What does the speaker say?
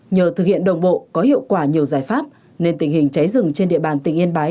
nhờ thực hiện đồng bộ có hiệu quả nhiều giải pháp nên tình hình cháy rừng trên địa bàn tỉnh yên bái